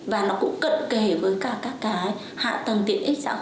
và nó cũng cận kề với cả các cái hạ tầng tiện ích xã hội